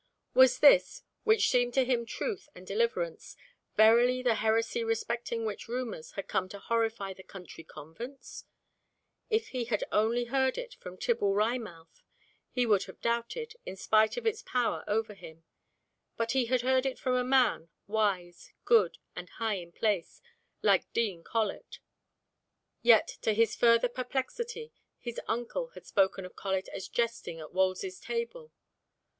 Was this, which seemed to him truth and deliverance, verily the heresy respecting which rumours had come to horrify the country convents? If he had only heard of it from Tibble Wry mouth, he would have doubted, in spite of its power over him, but he had heard it from a man, wise, good, and high in place, like Dean Colet. Yet to his further perplexity, his uncle had spoken of Colet as jesting at Wolsey's table.